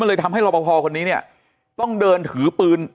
มันเลยทำให้ลอปปอคนนี้ต้องเดินถือปืน